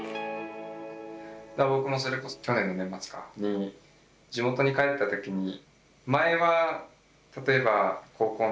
僕もそれこそ去年の年末かに地元に帰ったときに前は例えばうんうん。